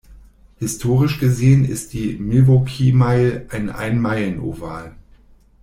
Historisch gesehen ist die Milwaukee Mile ein Ein-Meilen-Oval.